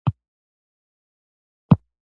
ایا ماشومان مو موبایل کاروي؟